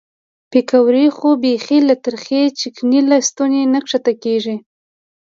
پیکورې خو بیخي له ترخې چکنۍ له ستوني نه ښکته کېږي.